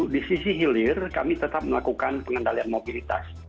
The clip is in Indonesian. di sisi hilir kami tetap melakukan pengendalian mobilitas